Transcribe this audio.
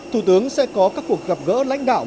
thủ tướng sẽ có các cuộc gặp gỡ lãnh đạo